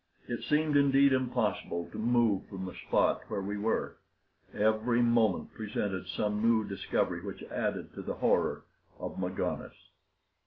It seemed, indeed, impossible to move from the spot where we were. Every moment presented some new discovery which added to the horror of Magones.